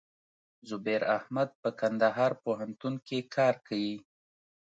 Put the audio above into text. زبير احمد په کندهار پوهنتون کښي کار کيي.